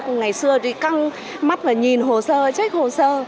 cũng ngày xưa thì căng mắt và nhìn hồ sơ check hồ sơ